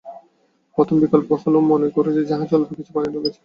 প্রথম বিকল্প হলো এমন মনে করা যে, জাহাজে অল্প কিছু পানি ঢুকেছে।